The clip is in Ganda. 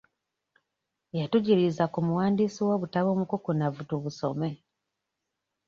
Yatujuliza ku muwandiisi w'obutabo omukukunavu tubusome.